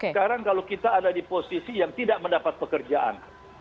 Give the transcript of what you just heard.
sekarang kalau kita ada di posisi yang tidak mendapat pekerjaan